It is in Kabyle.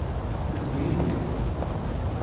Ldi imi-m!